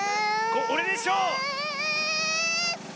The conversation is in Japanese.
おれでしょう！